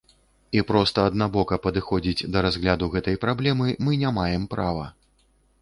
І проста аднабока падыходзіць да разгляду гэтай праблемы мы не маем права.